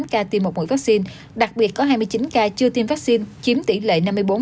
tám ca tiêm một mũi vaccine đặc biệt có hai mươi chín ca chưa tiêm vaccine chiếm tỷ lệ năm mươi bốn bảy mươi hai